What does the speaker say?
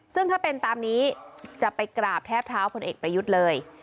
ซึ่งถ้าเป็นตามนี้จะไปกราบแทบเท้าพลเอกประยุทธ์เลย